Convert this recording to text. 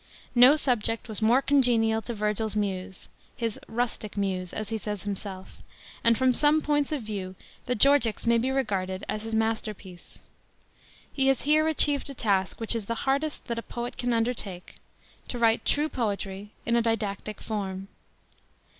No subject was more congenial to Virgil's Muse — his "rustic Muse," as he says himself; and from some points of view the Georgics may be regarded as his masterpiece. He has here achieved a task, which is the hardest that a poet can undertake, to write true poetry in a didactic form.